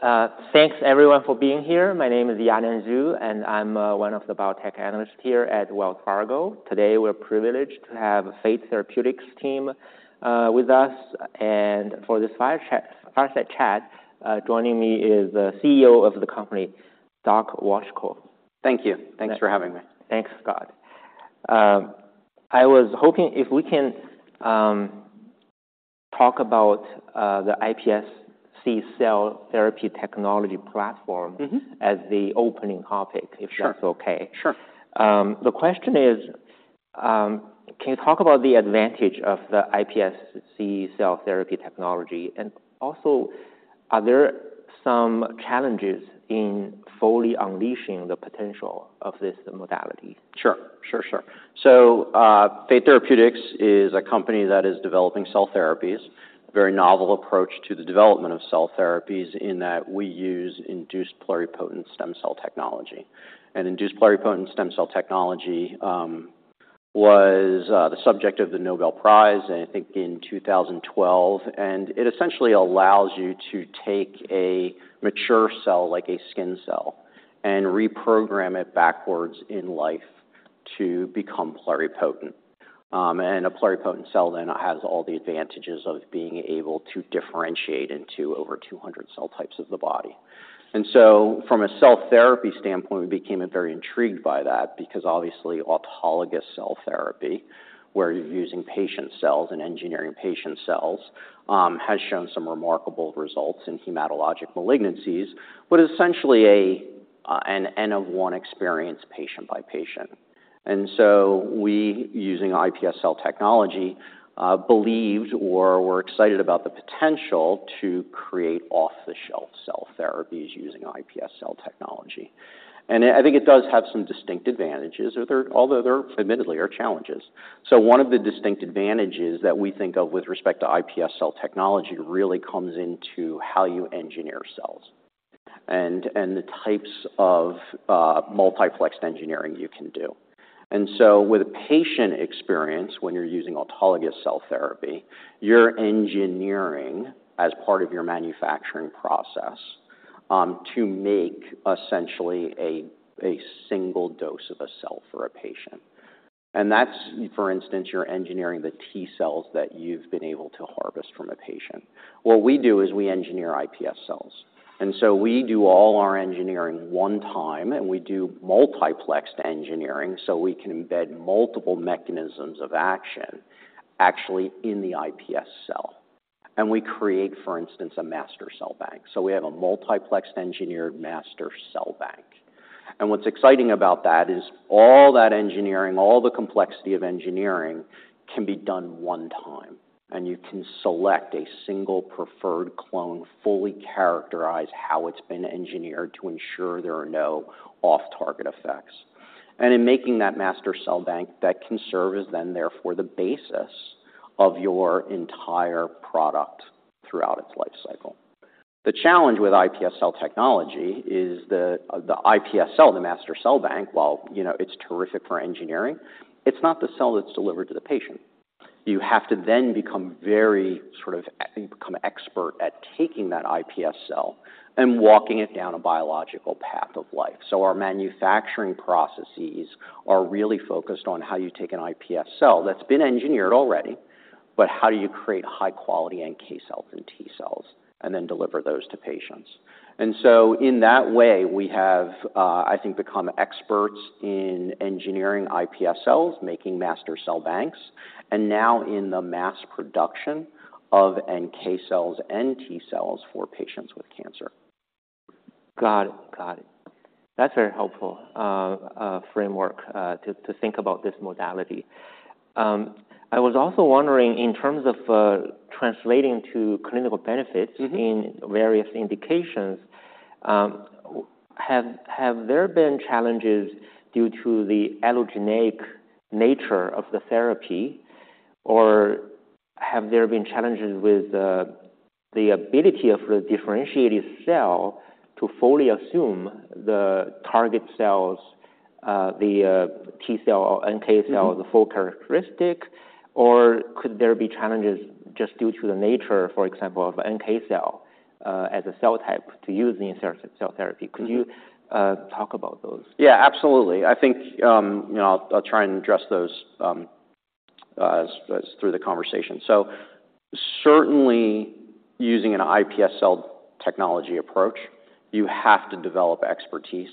Great. Thanks everyone for being here. My name is Yanan Zhu, and I'm one of the biotech analysts here at Wells Fargo. Today, we're privileged to have Fate Therapeutics team with us, and for this fireside chat, joining me is the CEO of the company, Scott Wolchko. Thank you. Thanks for having me. Thanks, Scott. I was hoping if we can talk about the iPSC cell therapy technology platform as the opening topic, if that's okay? Sure, sure. The question is, can you talk about the advantage of the iPSC cell therapy technology, and also, are there some challenges in fully unleashing the potential of this modality? Sure, sure, sure. So, Fate Therapeutics is a company that is developing cell therapies, a very novel approach to the development of cell therapies, in that we use induced pluripotent stem cell technology. And induced pluripotent stem cell technology was the subject of the Nobel Prize, I think, in 2012, and it essentially allows you to take a mature cell, like a skin cell, and reprogram it backwards in life to become pluripotent. And a pluripotent cell then has all the advantages of being able to differentiate into over 200 cell types of the body. From a cell therapy standpoint, we became very intrigued by that because obviously autologous cell therapy, where you're using patient cells and engineering patient cells, has shown some remarkable results in hematologic malignancies, but essentially an N of one experience, patient by patient. We, using iPS cell technology, believed or were excited about the potential to create off-the-shelf cell therapies using iPS cell technology. I think it does have some distinct advantages, although there admittedly are challenges. One of the distinct advantages that we think of with respect to iPS cell technology really comes into how you engineer cells and the types of multiplexed engineering you can do. With a patient experience, when you're using autologous cell therapy, you're engineering as part of your manufacturing process to make essentially a single dose of a cell for a patient, and that's, for instance, you're engineering the T cells that you've been able to harvest from a patient. What we do is we engineer iPS cells, and so we do all our engineering one time, and we do multiplexed engineering, so we can embed multiple mechanisms of action actually in the iPS cell. And we create, for instance, a master cell bank. So we have a multiplexed engineered master cell bank. And what's exciting about that is all that engineering, all the complexity of engineering, can be done one time, and you can select a single preferred clone, fully characterize how it's been engineered to ensure there are no off-target effects. In making that master cell bank that can serve as then, therefore, the basis of your entire product throughout its life cycle. The challenge with iPS cell technology is the iPS cell, the master cell bank, while, you know, it's terrific for engineering, it's not the cell that's delivered to the patient. You have to then become very sort of, become expert at taking that iPS cell and walking it down a biological path of life. So our manufacturing processes are really focused on how you take an iPS cell that's been engineered already, but how do you create high quality NK cells and T cells and then deliver those to patients? And so in that way, we have, I think, become experts in engineering iPS cells, making master cell banks, and now in the mass production of NK cells and T cells for patients with cancer. Got it. Got it. That's a very helpful framework to think about this modality. I was also wondering, in terms of translating to clinical benefits in various indications, have there been challenges due to the allogeneic nature of the therapy, or have there been challenges with the ability of the differentiated cell to fully assume the target cells, the T-cell or NK cell the full characteristic? Or could there be challenges just due to the nature, for example, of NK cell, as a cell type to use in cell therapy? Could you talk about those? Yeah, absolutely. I think, you know, I'll try and address those through the conversation. So certainly using an iPS cell technology approach, you have to develop expertise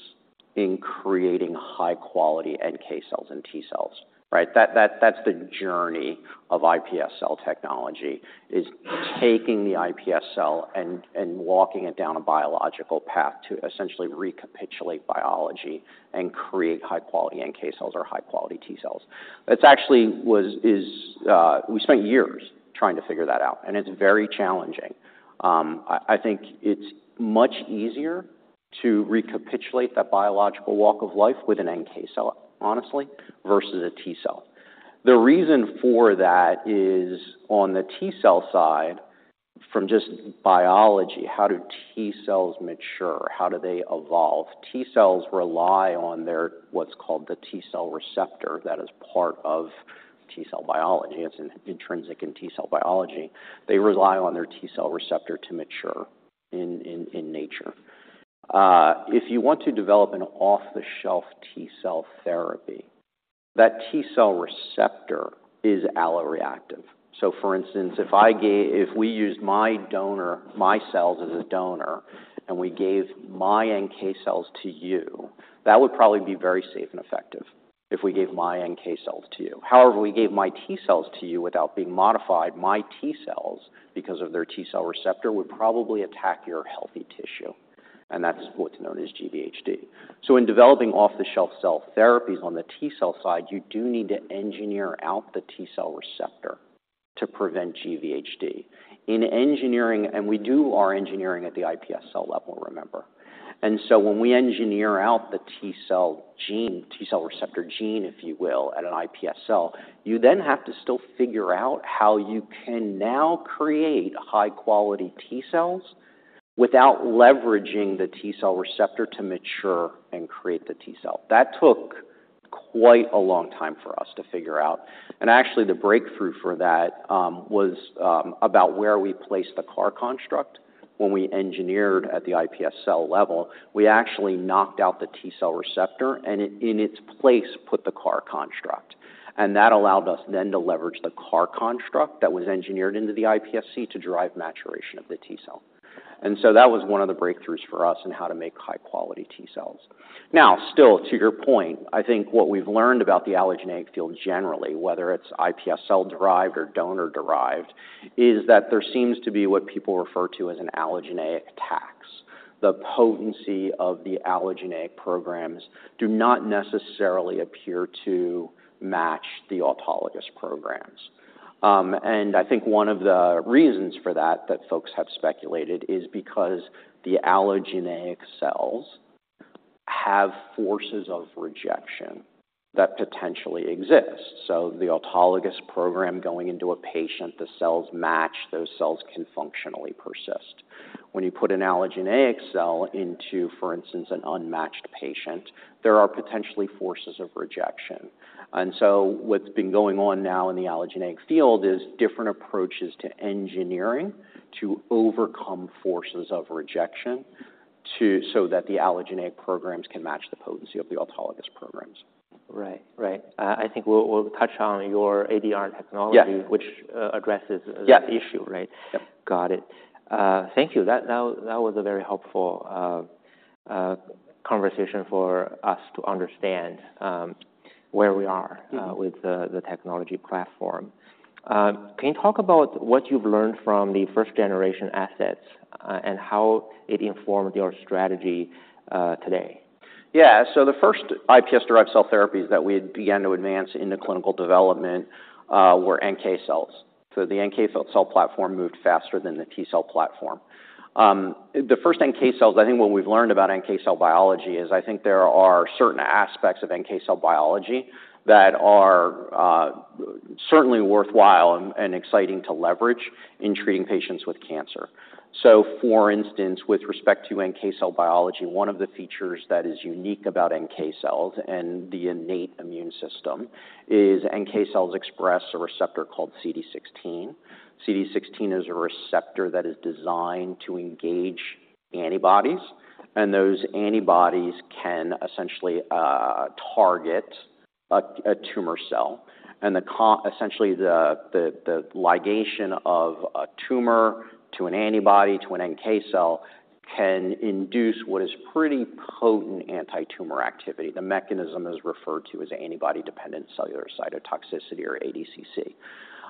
in creating high-quality NK cells and T cells, right? That's the journey of iPS cell technology is taking the iPS cell and walking it down a biological path to essentially recapitulate biology and create high-quality NK cells or high-quality T cells. It's actually is. We spent years trying to figure that out, and it's very challenging. I think it's much easier to recapitulate that biological walk of life with an NK cell, honestly, versus a T cell. The reason for that is on the T cell side, from just biology, how do T cells mature? How do they evolve? T cells rely on their, what's called the T cell receptor. That is part of T cell biology. It's intrinsic in T cell biology. They rely on their T cell receptor to mature in nature. If you want to develop an off-the-shelf T cell therapy, that T cell receptor is alloreactive. So for instance, if we used my donor, my cells as a donor, and we gave my NK cells to you, that would probably be very safe and effective if we gave my NK cells to you. However, if we gave my T cells to you without being modified, my T cells, because of their T cell receptor, would probably attack your healthy tissue, and that's what's known as GvHD. So in developing off-the-shelf cell therapies on the T cell side, you do need to engineer out the T cell receptor to prevent GvHD. In engineering, and we do our engineering at the iPS cell level, remember. And so when we engineer out the T-cell gene, T-cell receptor gene, if you will, at an iPS cell, you then have to still figure out how you can now create high-quality T cells without leveraging the T-cell receptor to mature and create the T cell. That took quite a long time for us to figure out, and actually, the breakthrough for that was about where we placed the CAR construct. When we engineered at the iPS cell level, we actually knocked out the T-cell receptor and in its place, put the CAR construct. And that allowed us then to leverage the CAR construct that was engineered into the iPSC to drive maturation of the T cell. And so that was one of the breakthroughs for us in how to make high-quality T cells. Now, still, to your point, I think what we've learned about the allogeneic field generally, whether it's iPSC-derived or donor-derived, is that there seems to be what people refer to as an allogeneic tax. The potency of the allogeneic programs do not necessarily appear to match the autologous programs. And I think one of the reasons for that, that folks have speculated, is because the allogeneic cells have forces of rejection that potentially exist. So the autologous program going into a patient, the cells match, those cells can functionally persist. When you put an allogeneic cell into, for instance, an unmatched patient, there are potentially forces of rejection. And so what's been going on now in the allogeneic field is different approaches to engineering to overcome forces of rejection so that the allogeneic programs can match the potency of the autologous programs. Right. Right. I think we'll, we'll touch on your ADR technology. Yes. Which, addresses. Yes. The issue, right? Yep. Got it. Thank you. That was a very helpful conversation for us to understand where we are with the technology platform. Can you talk about what you've learned from the first-generation assets, and how it informed your strategy, today? Yeah. So the first iPS-derived cell therapies that we had began to advance into clinical development were NK cells. So the NK cell platform moved faster than the T cell platform. The first NK cells, I think what we've learned about NK cell biology is I think there are certain aspects of NK cell biology that are certainly worthwhile and exciting to leverage in treating patients with cancer. So for instance, with respect to NK cell biology, one of the features that is unique about NK cells and the innate immune system is NK cells express a receptor called CD16. CD16 is a receptor that is designed to engage antibodies, and those antibodies can essentially target a tumor cell, and essentially the ligation of a tumor to an antibody to an NK cell can induce what is pretty potent antitumor activity. The mechanism is referred to as antibody-dependent cellular cytotoxicity, or ADCC.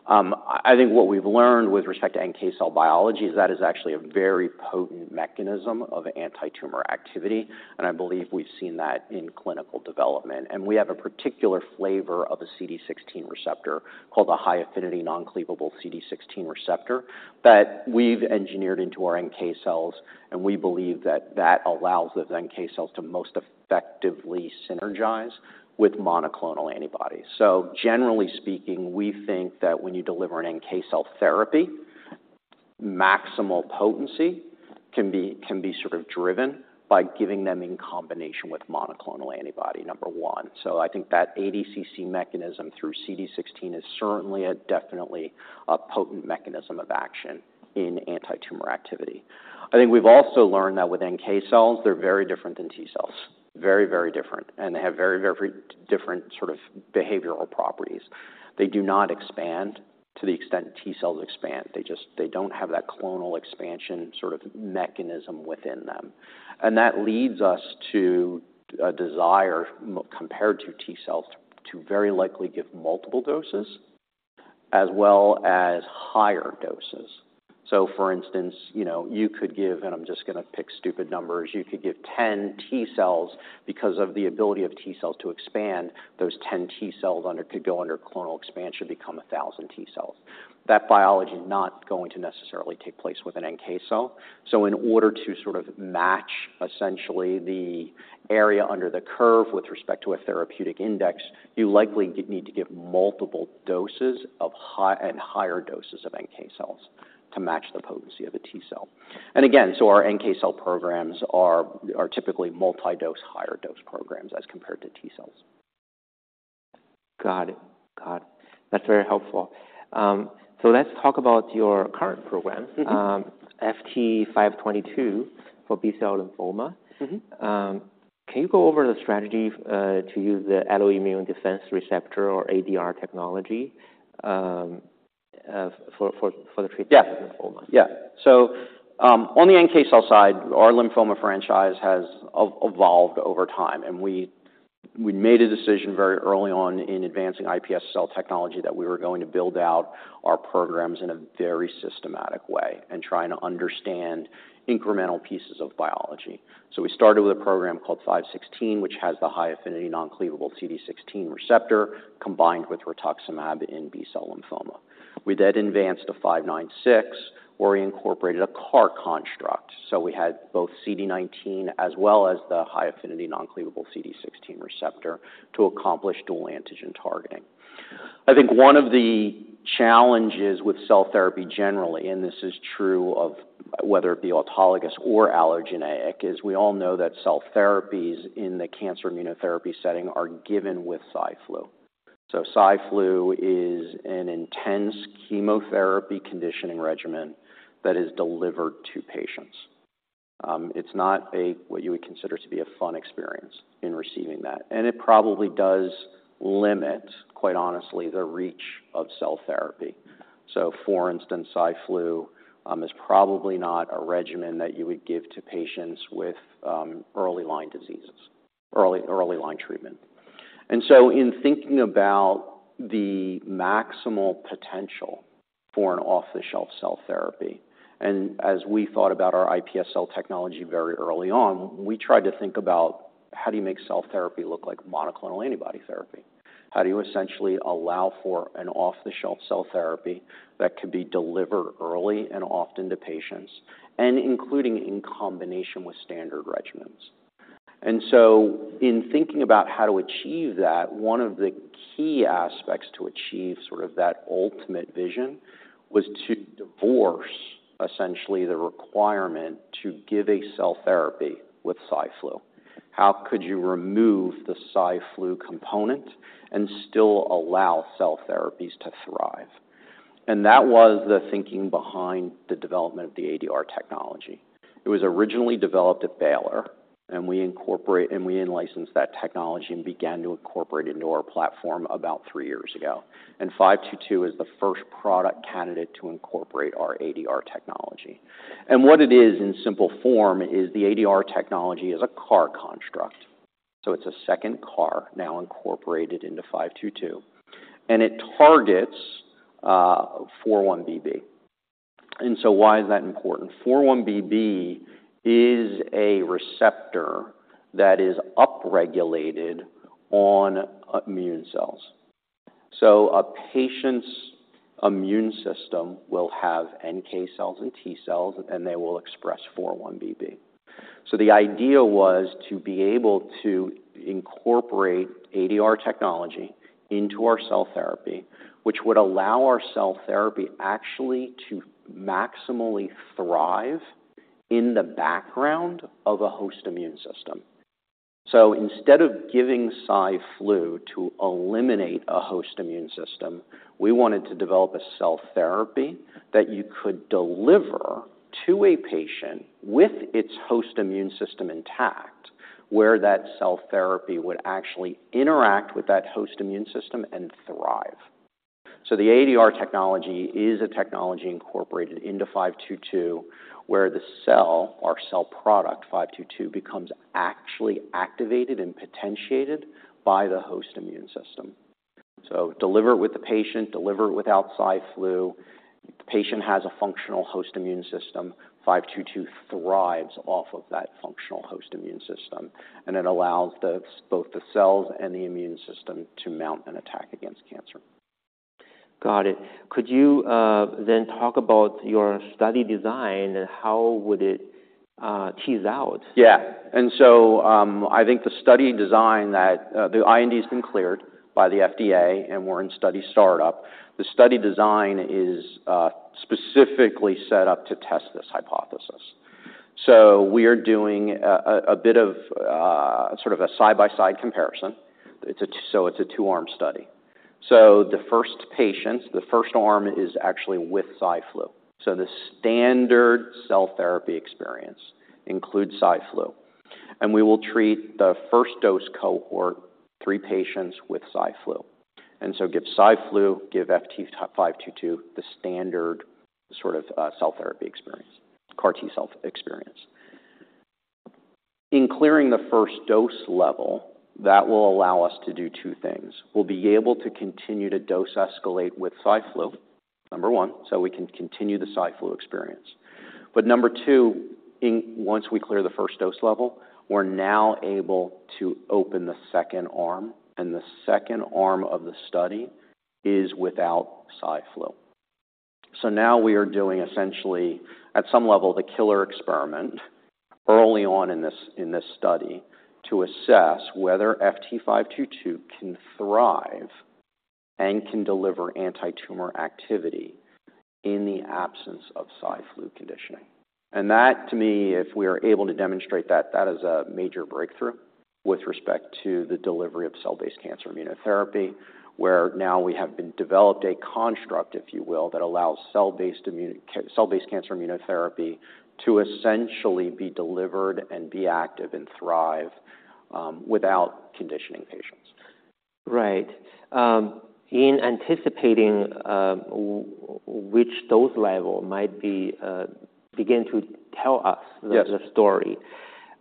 I think what we've learned with respect to NK cell biology is that is actually a very potent mechanism of antitumor activity, and I believe we've seen that in clinical development. And we have a particular flavor of a CD16 receptor called a high-affinity non-cleavable CD16 receptor that we've engineered into our NK cells, and we believe that that allows the NK cells to most effectively synergize with monoclonal antibodies. So generally speaking, we think that when you deliver an NK cell therapy, maximal potency can be, can be sort of driven by giving them in combination with monoclonal antibody, number one. So I think that ADCC mechanism through CD16 is certainly a definitely a potent mechanism of action in antitumor activity. I think we've also learned that with NK cells, they're very different than T cells. Very, very different, and they have very, very different sort of behavioral properties. They do not expand to the extent T cells expand. They just—they don't have that clonal expansion sort of mechanism within them. And that leads us to a desire, compared to T cells, to very likely give multiple doses as well as higher doses. So for instance, you know, you could give, and I'm just gonna pick stupid numbers, you could give 10 T cells because of the ability of T cells to expand, those 10 T cells could go under clonal expansion, become 1,000 T cells. That biology is not going to necessarily take place with an NK cell. So in order to sort of match essentially the area under the curve with respect to a therapeutic index, you likely need to give multiple doses of high and higher doses of NK cells to match the potency of a T cell. And again, so our NK cell programs are typically multi-dose, higher dose programs as compared to T cells. Got it. Got it. That's very helpful. So let's talk about your current program. FT522 for B-cell lymphoma. Can you go over the strategy to use the alloimmune defense receptor, or ADR technology, for the treatment of lymphoma? Yeah. Yeah. So, on the NK cell side, our lymphoma franchise has evolved over time, and we made a decision very early on in advancing iPSC technology that we were going to build out our programs in a very systematic way and trying to understand incremental pieces of biology. So we started with a program called FT516, which has the high-affinity non-cleavable CD16 receptor combined with Rituximab in B-cell lymphoma. We then advanced to FT596, where we incorporated a CAR construct, so we had both CD19 as well as the high-affinity non-cleavable CD16 receptor to accomplish dual antigen targeting. I think one of the challenges with cell therapy generally, and this is true of whether it be autologous or allogeneic, is we all know that cell therapies in the cancer immunotherapy setting are given with Cy/Flu. So Cy/Flu is an intense chemotherapy conditioning regimen that is delivered to patients. It's not what you would consider to be a fun experience in receiving that, and it probably does limit, quite honestly, the reach of cell therapy. So for instance, Cy/Flu is probably not a regimen that you would give to patients with early line diseases, early, early line treatment. And so in thinking about the maximal potential for an off-the-shelf cell therapy, and as we thought about our iPS cell technology very early on, we tried to think about how do you make cell therapy look like monoclonal antibody therapy? How do you essentially allow for an off-the-shelf cell therapy that could be delivered early and often to patients, and including in combination with standard regimens? In thinking about how to achieve that, one of the key aspects to achieve sort of that ultimate vision was to divorce, essentially, the requirement to give a cell therapy with Cy/Flu. How could you remove the Cy/Flu component and still allow cell therapies to thrive? That was the thinking behind the development of the ADR technology. It was originally developed at Baylor, and we in-licensed that technology and began to incorporate it into our platform about three years ago. FT522 is the first product candidate to incorporate our ADR technology. What it is in simple form is the ADR technology is a CAR construct, so it's a second CAR now incorporated into FT522, and it targets 4-1BB. So why is that important? 4-1BB is a receptor that is upregulated on immune cells. So a patient's immune system will have NK cells and T cells, and they will express 4-1BB. So the idea was to be able to incorporate ADR technology into our cell therapy, which would allow our cell therapy actually to maximally thrive in the background of a host immune system. So instead of giving Cy/Flu to eliminate a host immune system, we wanted to develop a cell therapy that you could deliver to a patient with its host immune system intact, where that cell therapy would actually interact with that host immune system and thrive. So the ADR technology is a technology incorporated into FT522, where the cell, our cell product, FT522, becomes actually activated and potentiated by the host immune system. So deliver it with the patient, deliver it without Cy/Flu. The patient has a functional host immune system. FT522 thrives off of that functional host immune system, and it allows both the cells and the immune system to mount an attack against cancer. Got it. Could you then talk about your study design and how would it tease out? Yeah. And so, I think the study design that the IND has been cleared by the FDA, and we're in study startup. The study design is specifically set up to test this hypothesis. So we're doing a bit of sort of a side-by-side comparison. It's a—So it's a two-arm study. So the first patients, the first arm, is actually with Cy/Flu. So the standard cell therapy experience includes Cy/Flu, and we will treat the first dose cohort, 3 patients, with Cy/Flu. And so give Cy/Flu, give FT522, the standard sort of cell therapy experience, CAR T-cell experience. In clearing the first dose level, that will allow us to do two things. We'll be able to continue to dose escalate with Cy/Flu, number one, so we can continue the Cy/Flu experience. But number 2, once we clear the first dose level, we're now able to open the second arm, and the second arm of the study is without Cy/Flu. So now we are doing essentially, at some level, the killer experiment early on in this study, to assess whether FT522 can thrive and can deliver antitumor activity in the absence of Cy/Flu conditioning. And that, to me, if we are able to demonstrate that, that is a major breakthrough with respect to the delivery of cell-based cancer immunotherapy, where now we have been developed a construct, if you will, that allows cell-based cancer immunotherapy to essentially be delivered and be active and thrive without conditioning patients. Right. In anticipating which dose level might begin to tell us. Yes. The story,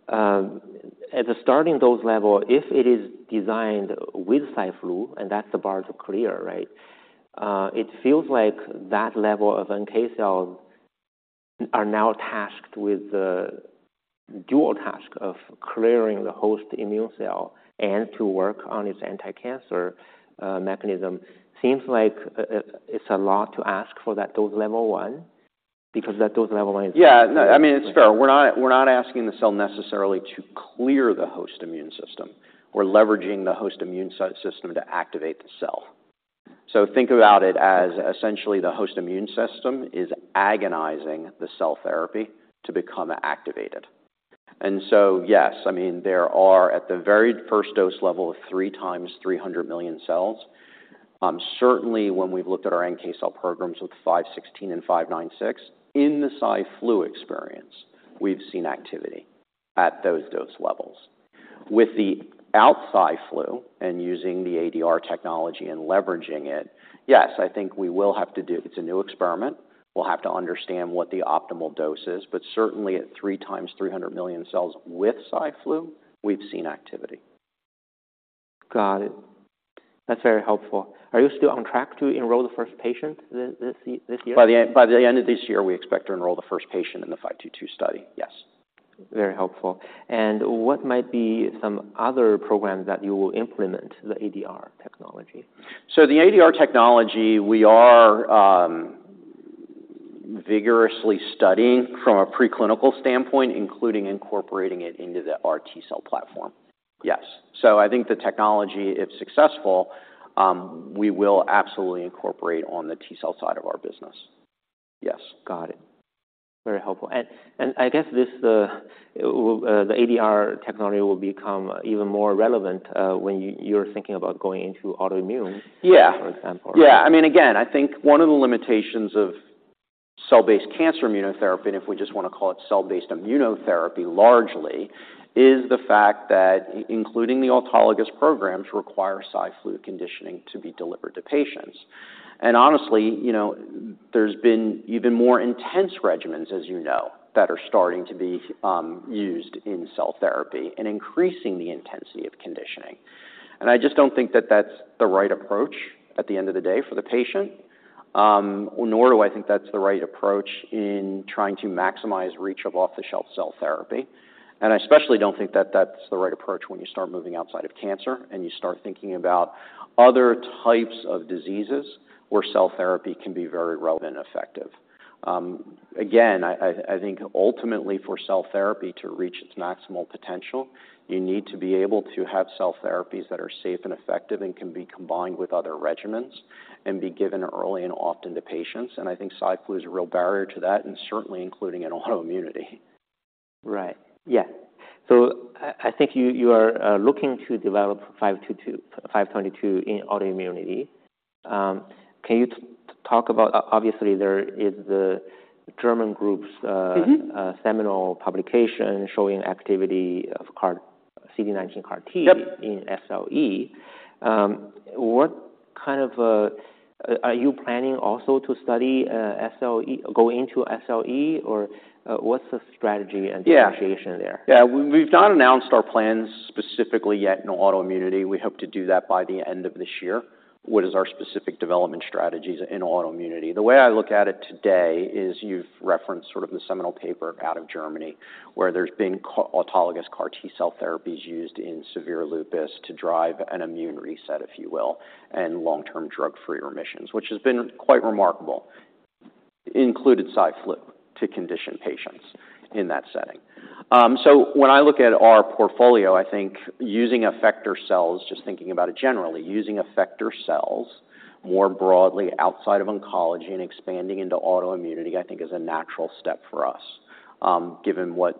at the starting dose level, if it is designed with Cy/Flu, and that's the bar to clear, right? It feels like that level of NK cells are now tasked with the dual task of clearing the host immune cell and to work on its anticancer mechanism. Seems like, it's a lot to ask for that dose level one, because that dose level one. Yeah. No, I mean, it's fair. We're not, we're not asking the cell necessarily to clear the host immune system. We're leveraging the host immune system to activate the cell. So think about it as essentially the host immune system is agonizing the cell therapy to become activated. And so, yes, I mean, there are, at the very first dose level of 3 x 300 million cells, certainly when we've looked at our NK cell programs with FT516 and FT596, in the Cy/Flu experience, we've seen activity at those dose levels. With the without Cy/Flu and using the ADR technology and leveraging it, yes, I think we will have to do. It's a new experiment. We'll have to understand what the optimal dose is, but certainly at 3 x 300 million cells with Cy/Flu, we've seen activity. Got it. That's very helpful. Are you still on track to enroll the first patient this year? By the end, by the end of this year, we expect to enroll the first patient in the 522 study. Yes. Very helpful. What might be some other programs that you will implement the ADR technology? So the ADR technology, we are vigorously studying from a preclinical standpoint, including incorporating it into our T cell platform. Yes. So I think the technology, if successful, we will absolutely incorporate on the T cell side of our business. Yes. Got it. Very helpful. And I guess the ADR technology will become even more relevant when you're thinking about going into autoimmune. Yeah. For example. Yeah. I mean, again, I think one of the limitations of cell-based cancer immunotherapy, and if we just want to call it cell-based immunotherapy, largely, is the fact that including the autologous programs, require Cy/Flu conditioning to be delivered to patients. And honestly, you know, there's been even more intense regimens, as you know, that are starting to be used in cell therapy and increasing the intensity of conditioning. And I just don't think that that's the right approach at the end of the day for the patient, nor do I think that's the right approach in trying to maximize reach of off-the-shelf cell therapy. And I especially don't think that that's the right approach when you start moving outside of cancer, and you start thinking about other types of diseases where cell therapy can be very relevant and effective. Again, I think ultimately for cell therapy to reach its maximal potential, you need to be able to have cell therapies that are safe and effective and can be combined with other regimens and be given early and often to patients. And I think Cy/Flu is a real barrier to that and certainly including in autoimmunity. Right. Yeah. So I think you are looking to develop FT522 in autoimmunity. Can you talk about, obviously, there is the German group's seminal publication showing activity of CAR, CD19 CAR T in SLE. What kind of are you planning also to study SLE, go into SLE, or what's the strategy. Yeah And differentiation there? Yeah, we've not announced our plans specifically yet in autoimmunity. We hope to do that by the end of this year. What is our specific development strategies in autoimmunity? The way I look at it today is you've referenced sort of the seminal paper out of Germany, where there's been autologous CAR T cell therapies used in severe lupus to drive an immune reset, if you will, and long-term drug-free remissions, which has been quite remarkable, included Cy/Flu to condition patients in that setting. So when I look at our portfolio, I think using effector cells, just thinking about it generally, using effector cells more broadly outside of oncology and expanding into autoimmunity, I think is a natural step for us, given what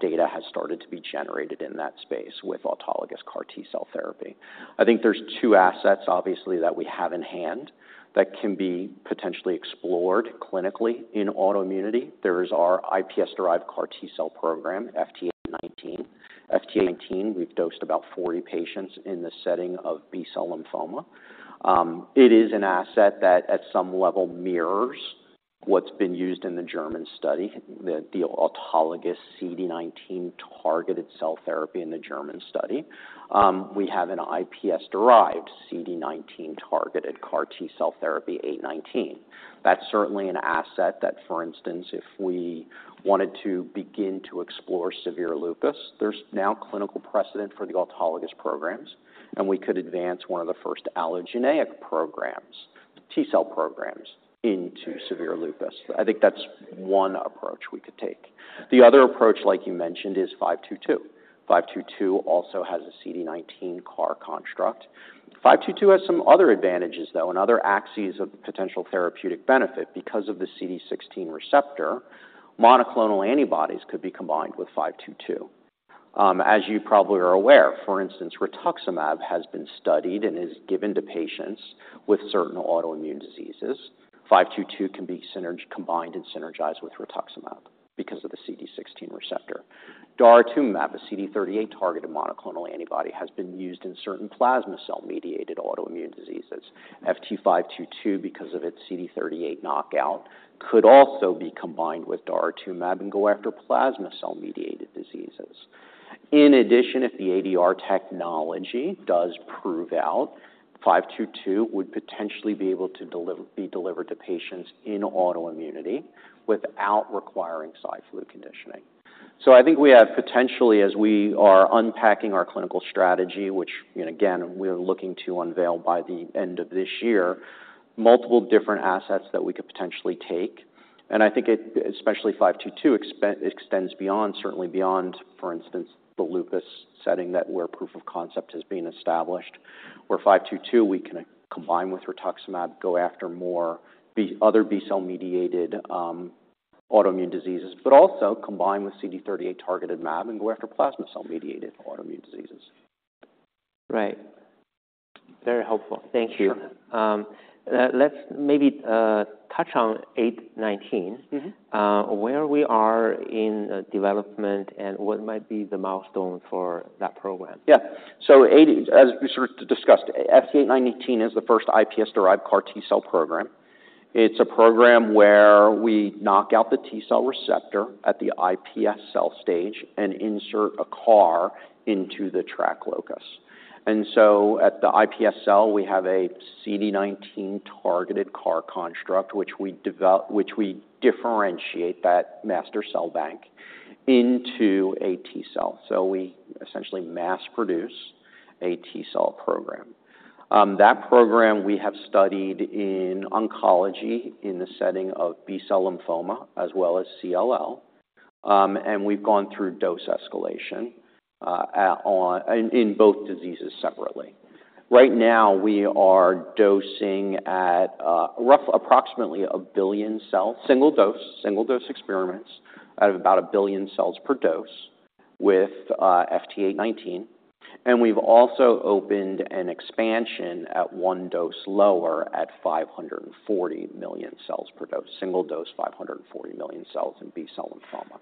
data has started to be generated in that space with autologous CAR T cell therapy. I think there's 2 assets, obviously, that we have in hand that can be potentially explored clinically in autoimmunity. There is our iPS-derived CAR T cell program, FT819. FT819, we've dosed about 40 patients in the setting of B-cell lymphoma. It is an asset that at some level mirrors what's been used in the German study, the autologous CD19 targeted cell therapy in the German study. We have an iPS-derived CD19 targeted CAR T cell therapy, FT819. That's certainly an asset that, for instance, if we wanted to begin to explore severe lupus, there's now clinical precedent for the autologous programs, and we could advance one of the first allogeneic programs, T-cell programs, into severe lupus. I think that's one approach we could take. The other approach, like you mentioned, is FT522. FT522 also has a CD19 CAR construct. FT522 has some other advantages, though, and other axes of potential therapeutic benefit. Because of the CD16 receptor, monoclonal antibodies could be combined with FT522. As you probably are aware, for instance, Rituximab has been studied and is given to patients with certain autoimmune diseases. FT522 can be combined and synergized with Rituximab because of the CD16 receptor. Daratumumab, a CD38-targeted monoclonal antibody, has been used in certain plasma cell-mediated autoimmune diseases. FT522, because of its CD38 knockout, could also be combined with Daratumumab and go after plasma cell-mediated diseases. In addition, if the ADR technology does prove out, FT522 would potentially be able to be delivered to patients in autoimmunity without requiring Cy/Flu conditioning. So I think we have potentially, as we are unpacking our clinical strategy, which, you know, again, we're looking to unveil by the end of this year, multiple different assets that we could potentially take. And I think it, especially FT522, extends beyond, certainly beyond, for instance, the lupus setting where proof of concept has been established, where FT522, we can combine with Rituximab, go after more other B-cell-mediated autoimmune diseases, but also combine with CD38-targeted mAb and go after plasma cell-mediated autoimmune diseases. Right. Very helpful. Thank you. Sure. Let's maybe touch on FT819. Where we are in development and what might be the milestone for that program? Yeah. So as we sort of discussed, FT819 is the first iPS-derived CAR T cell program. It's a program where we knock out the T cell receptor at the iPS cell stage and insert a CAR into the TRAC locus. So at the iPS cell, we have a CD19-targeted CAR construct, which we differentiate that master cell bank into a T cell. So we essentially mass-produce a T cell program. That program we have studied in oncology in the setting of B-cell lymphoma as well as CLL, and we've gone through dose escalation in both diseases separately. Right now, we are dosing at approximately 1 billion cells, single dose experiments out of about 1 billion cells per dose with FT819. We've also opened an expansion at one dose lower at 540 million cells per dose, single dose, 540 million cells in B-cell lymphoma.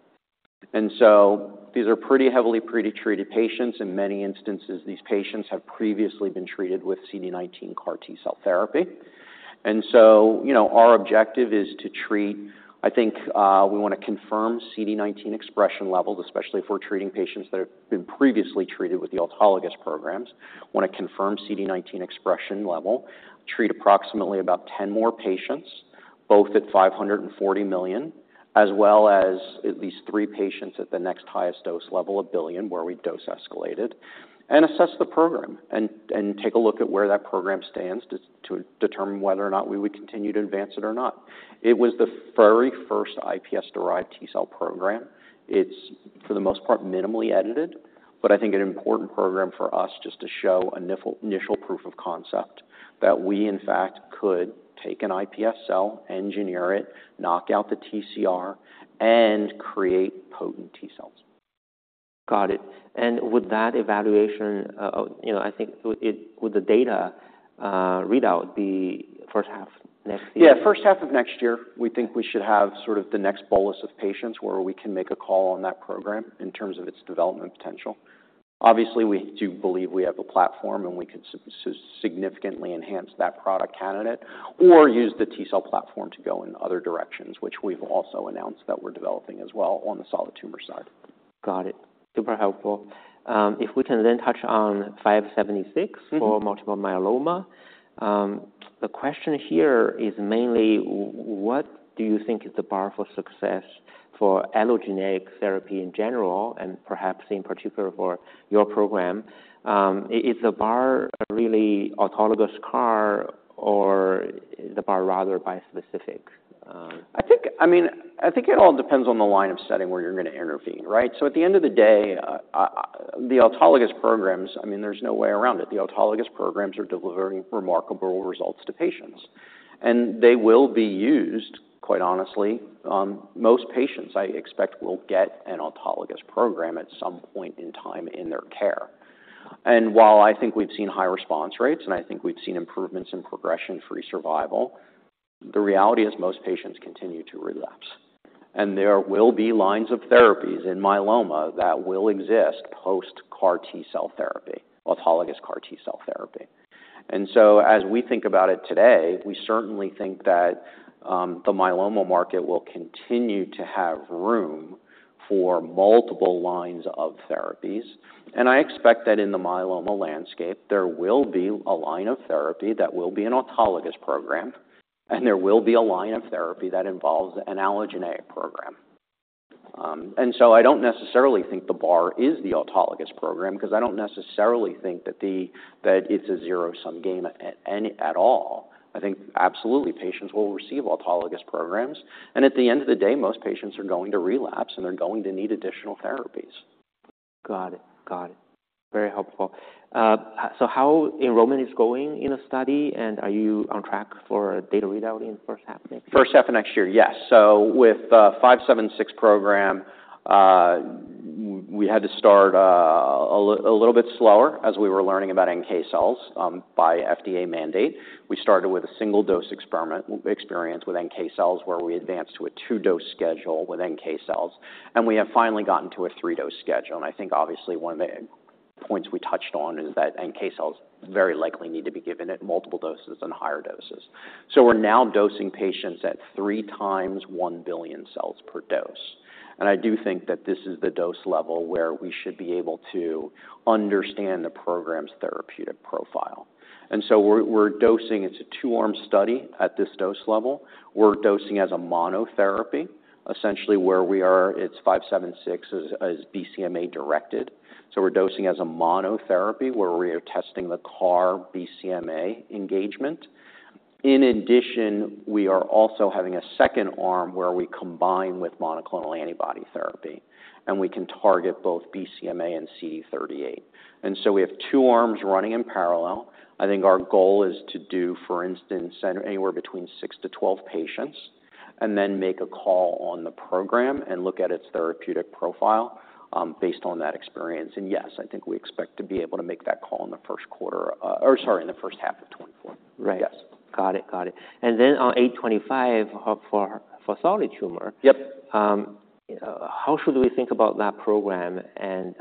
And so these are pretty heavily pretreated patients. In many instances, these patients have previously been treated with CD19 CAR T cell therapy. And so, you know, our objective is to treat. I think, we want to confirm CD19 expression levels, especially if we're treating patients that have been previously treated with the autologous programs. Want to confirm CD19 expression level, treat approximately about 10 more patients, both at 540 million, as well as at least 3 patients at the next highest dose level, 1 billion, where we've dose escalated, and assess the program and, and take a look at where that program stands to, to determine whether or not we would continue to advance it or not. It was the very first iPS-derived T cell program. It's, for the most part, minimally edited, but I think an important program for us just to show initial, initial proof of concept that we, in fact, could take an iPS cell, engineer it, knock out the TCR, and create potent T cells. Got it. And would that evaluation, you know, would the data readout be first half next year? Yeah, first half of next year, we think we should have sort of the next bolus of patients where we can make a call on that program in terms of its development potential. Obviously, we do believe we have a platform, and we could significantly enhance that product candidate or use the T-cell platform to go in other directions, which we've also announced that we're developing as well on the solid tumor side. Got it. Super helpful. If we can then touch on FT576 for multiple myeloma. The question here is mainly, what do you think is the bar for success for allogeneic therapy in general and perhaps in particular for your program? Is the bar a really autologous CAR, or is the bar rather bispecific? I think, I mean, I think it all depends on the line of setting where you're going to intervene, right? So at the end of the day, the autologous programs, I mean, there's no way around it. The autologous programs are delivering remarkable results to patients, and they will be used, quite honestly, most patients, I expect, will get an autologous program at some point in time in their care. And while I think we've seen high response rates, and I think we've seen improvements in progression-free survival, the reality is most patients continue to relapse, and there will be lines of therapies in myeloma that will exist post-CAR T cell therapy, autologous CAR T cell therapy. And so as we think about it today, we certainly think that, the myeloma market will continue to have room for multiple lines of therapies. I expect that in the myeloma landscape, there will be a line of therapy that will be an autologous program, and there will be a line of therapy that involves an allogeneic program. And so I don't necessarily think the bar is the autologous program because I don't necessarily think that it's a zero-sum game at any, at all. I think absolutely patients will receive autologous programs, and at the end of the day, most patients are going to relapse, and they're going to need additional therapies. Got it. Got it. Very helpful. So how enrollment is going in a study, and are you on track for data readout in first half next year? First half of next year, yes. So with the FT576 program, we had to start a little bit slower as we were learning about NK cells by FDA mandate. We started with a single-dose experience with NK cells, where we advanced to a two-dose schedule with NK cells, and we have finally gotten to a three-dose schedule. And I think obviously one of the points we touched on is that NK cells very likely need to be given at multiple doses and higher doses. So we're now dosing patients at 3 x 1 billion cells per dose. And I do think that this is the dose level where we should be able to understand the program's therapeutic profile. And so we're dosing; it's a two-arm study at this dose level. We're dosing as a monotherapy, essentially, where we are, it's FT576 as BCMA-directed. So we're dosing as a monotherapy, where we are testing the CAR BCMA engagement. In addition, we are also having a second arm where we combine with monoclonal antibody therapy, and we can target both BCMA and CD38. And so we have two arms running in parallel. I think our goal is to do, for instance, anywhere between 6-12 patients and then make a call on the program and look at its therapeutic profile, based on that experience. And yes, I think we expect to be able to make that call in the first quarter, or sorry, in the first half of 2024. Right. Yes. Got it. Got it. And then on 825, for solid tumor. Yep. How should we think about that program, and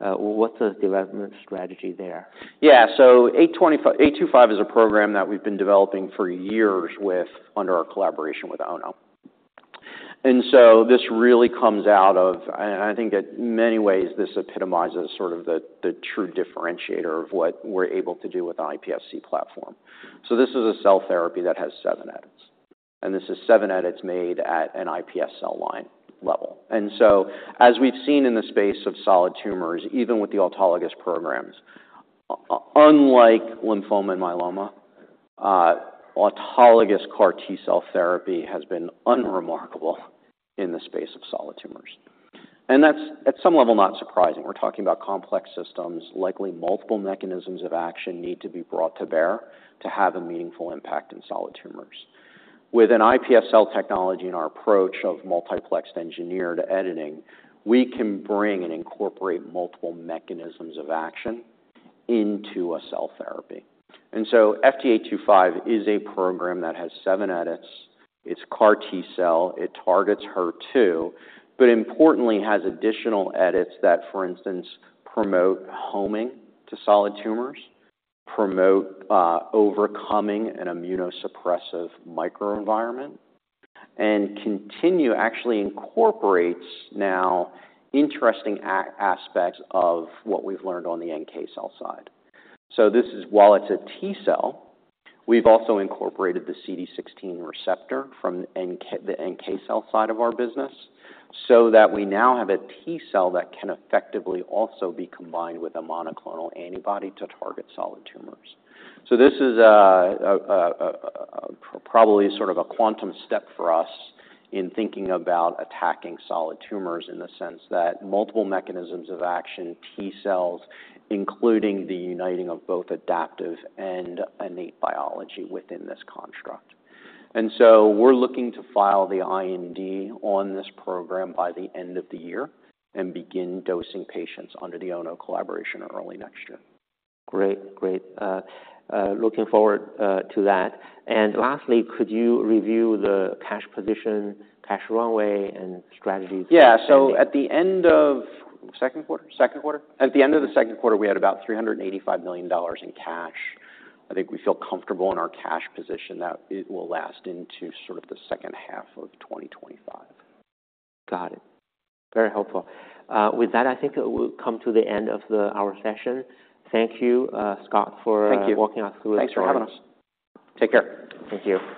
what's the development strategy there? Yeah, so 825—825 is a program that we've been developing for years with, under our collaboration with Ono. And so this really comes out of—I think in many ways, this epitomizes sort of the true differentiator of what we're able to do with the iPSC platform. So this is a cell therapy that has seven edits, and this is seven edits made at an iPS cell line level. And so as we've seen in the space of solid tumors, even with the autologous programs, unlike lymphoma and myeloma, autologous CAR T-cell therapy has been unremarkable in the space of solid tumors. And that's at some level, not surprising. We're talking about complex systems, likely multiple mechanisms of action need to be brought to bear to have a meaningful impact in solid tumors. With an iPS cell technology and our approach of multiplexed engineered editing, we can bring and incorporate multiple mechanisms of action into a cell therapy. And so FT825 is a program that has seven edits. It's CAR T-cell. It targets HER2, but importantly, has additional edits that, for instance, promote homing to solid tumors, promote overcoming an immunosuppressive microenvironment, and continue, actually incorporates now interesting aspects of what we've learned on the NK cell side. So this is, while it's a T cell, we've also incorporated the CD16 receptor from the NK cell side of our business, so that we now have a T cell that can effectively also be combined with a monoclonal antibody to target solid tumors. So this is probably sort of a quantum step for us in thinking about attacking solid tumors in the sense that multiple mechanisms of action, T cells, including the uniting of both adaptive and innate biology within this construct. So we're looking to file the IND on this program by the end of the year and begin dosing patients under the Ono collaboration early next year. Great. Great. Looking forward to that. And lastly, could you review the cash position, cash runway, and strategy? Yeah. So at the end of the second quarter, we had about $385 million in cash. I think we feel comfortable in our cash position that it will last into sort of the second half of 2025. Got it. Very helpful. With that, I think we'll come to the end of our session. Thank you, Scott, for. Thank you. Walking us through this. Thanks for having us. Take care. Thank you.